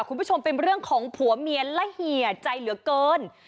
คุณผู้ชมเป็นเรื่องของผัวเมียและเฮียใจเหลือเกิน